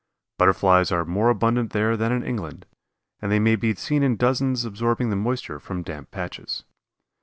Butterflies are more abundant there than in England, and they may be seen in dozens absorbing the moisture from damp patches.